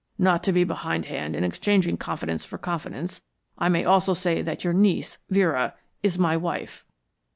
Not to be behindhand in exchanging confidence for confidence, I may also say that your niece, Vera, is my wife."